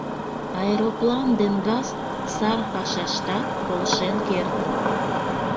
Аэроплан ден газ сар пашаштат полшен кертыт.